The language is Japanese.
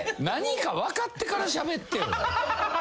何か分かってからしゃべって。